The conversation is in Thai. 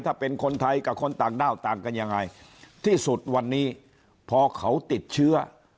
ถ้าเป็นคนไทยกับคนต่างด้าวต่างกันยังไงที่สุดวันนี้พอเขาติดเชื้อ